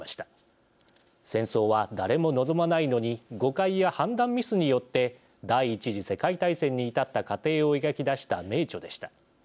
戦争は誰も望まないのに誤解や判断ミスによって第１次世界大戦に至った過程を描き出した名著でした。